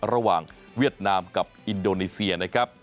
เวียดนามกับอินโดนีเซียนะครับ